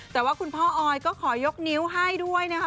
แต่ว่าคุณพ่อออยก็ขอยกนิ้วให้ด้วยนะคะ